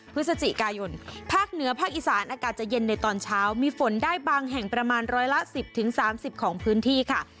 พฤศจิกายนภาคเหนือภาคอีสานอากาศจะเย็นในตอนเช้ามีฝนได้บางแห่งประมาณร้อยละ๑๐๓๐ของพื้นที่ค่ะ